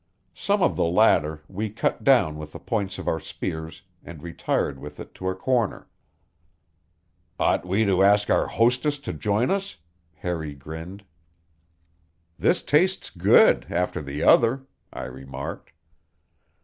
Some of the latter we cut down with the points of our spears and retired with it to a corner. "Ought we to ask our hostess to join us?" Harry grinned. "This tastes good, after the other," I remarked.